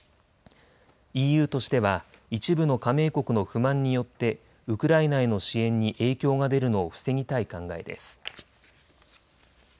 ＥＵとしては一部の加盟国の不満によってウクライナへの支援に影響が出るのを防ぎたい考えです。